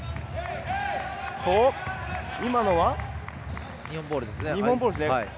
今のは日本ボールですね。